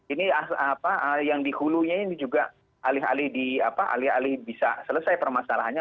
ini apa yang di hulunya ini juga alih alih bisa selesai permasalahannya